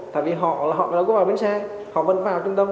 tại vì họ là họ đã có vào bến xe họ vẫn vào trung đông